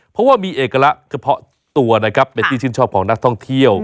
เพราะว่ามีเอกละกระเพาะตัวเป็นชิ้นชอบของนักท่องเที่ยว